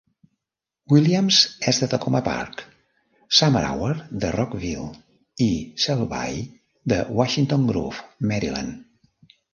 Williams és de Takoma Park, Summerour de Rockville i Selby de Washington Grove, Maryland.